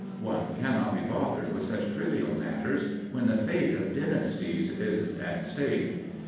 One cannot be bothered with such trivial matters when the fate of dynasties is at stake.